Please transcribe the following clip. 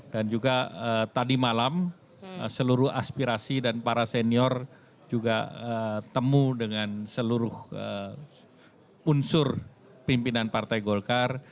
dan juga tadi malam seluruh aspirasi dan para senior juga temu dengan seluruh unsur pimpinan partai golkar